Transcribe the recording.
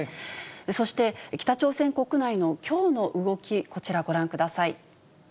そして北朝鮮国内のきょうの動き、こちらご覧ください。